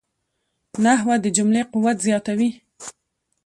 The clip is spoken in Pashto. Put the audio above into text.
نحوه د جملې قوت زیاتوي.